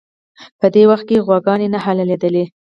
په دې وخت کې غواګانې نه حلالېدلې.